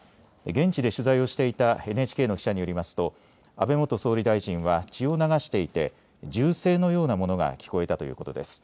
現地で取材をしていたＮＨＫの記者によりますと安倍元総理大臣は血を流していて銃声のようなものが聞こえたということです。